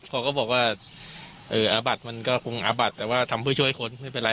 เขาก็บอกว่าอาบัดมันก็คงอาบัดแต่ว่าทำเพื่อช่วยคนไม่เป็นไร